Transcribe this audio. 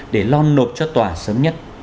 để lon nộp cho tòa sớm nhất